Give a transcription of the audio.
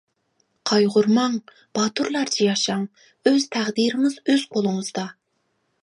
قايغۇرماڭ باتۇرلارچە ياشاڭ ئۆز تەقدىرىڭىز ئۆز قولىڭىزدا.